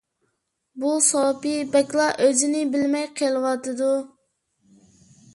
بۇ سوپى بەكلا ئۆزىنى بىلمەي قېلىۋاتىدۇ.